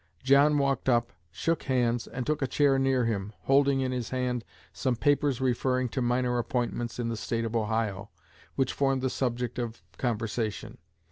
John walked up, shook hands, and took a chair near him, holding in his hand some papers referring to minor appointments in the State of Ohio, which formed the subject of conversation.